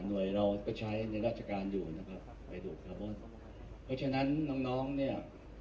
เราก็ใช้ในราชการอยู่นะครับไปดูดคาร์บอนเพราะฉะนั้นน้องน้องเนี่ย